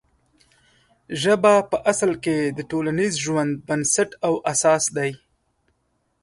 ژبه په اصل کې د ټولنیز ژوند بنسټ او اساس دی.